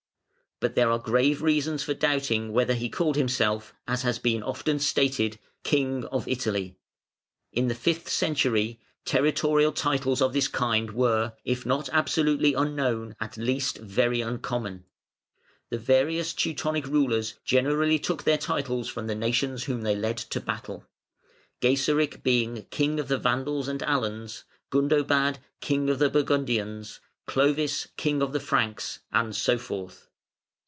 But there are grave reasons for doubting whether he called himself, as has been often stated, "King of Italy". In the fifth century territorial titles of this kind were, if not absolutely unknown, at least very uncommon. The various Teutonic rulers generally took their titles from the nations whom they led to battle, Gaiseric being "King of the Vandals and Alans", Gundobad, "King of the Burgundians", Clovis, "King of the Franks", and so forth.